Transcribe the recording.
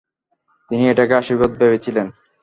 তিনি এটাকে আশীর্বাদ ভেবেছিলেন।